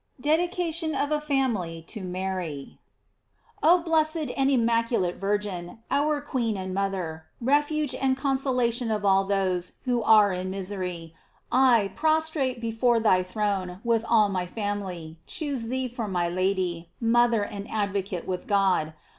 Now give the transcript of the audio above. DEDICATION OF A FAMILY TO MARY. OH blessed and immaculate Virgin, our queen and mother, refuge and consolation of all those who are in misery, I, prostrate before thy throne with all my family, choose thee for my Lady, Mother, and Advocate with God.